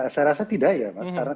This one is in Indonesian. saya rasa tidak ya mas sekarang